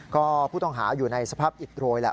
ก็ผู้ต้องหาอยู่ในสภาพอิดโรยแหละ